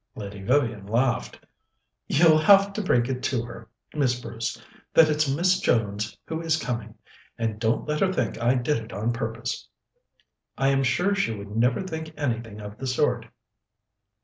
Lady Vivian laughed. "You'll have to break it to her, Miss Bruce, that it's Miss Jones who is coming. And don't let her think I did it on purpose!" "I am sure she would never think anything of the sort."